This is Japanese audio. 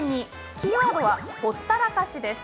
キーワードは、ほったらかしです。